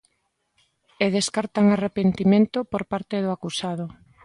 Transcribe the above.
E descartan arrepentimento por parte do acusado.